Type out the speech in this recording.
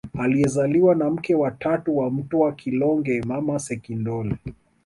Aliyezaliwa na mke wa tatu wa Mtwa Kilonge Mama Sekindole